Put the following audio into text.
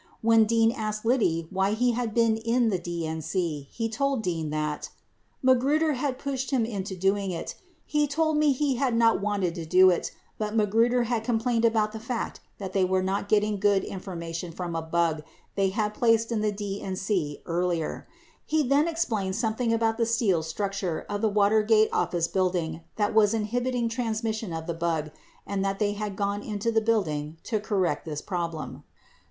57 When Dean asked Liddy why he had been in the DNC, he told Dean that "Magruder had pushed him into doing it. He told me that he had not wanted to do it, but Magruder had com plained about the fact that they were not getting good information from a bug that they had placed in the DNC earlier. He then explained something about the steel structure of the Watergate Office Building that was inhibiting transmission of the bug and that they had gone into the building to correct this problem."